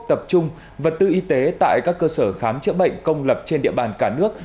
tập trung vật tư y tế tại các cơ sở khám chữa bệnh công lập trên địa bàn cả nước